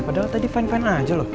padahal tadi fine fine aja loh